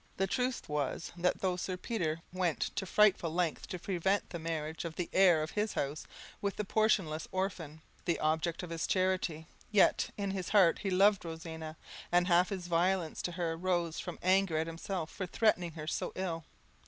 The truth was, that though Sir Peter went to frightful lengths to prevent the marriage of the heir of his house with the portionless orphan, the object of his charity, yet in his heart he loved Rosina, and half his violence to her rose from anger at himself for treating her so ill.